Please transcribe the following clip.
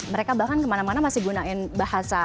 mereka bahkan kemana mana masih gunain bahasa